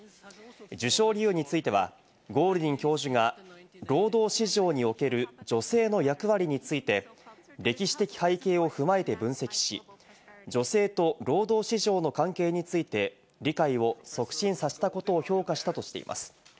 受賞理由については、ゴールディン教授が労働市場における女性の役割について歴史的背景を踏まえて分析し、女性と労働市場の関係について理解を促進させたことを評価したとしています。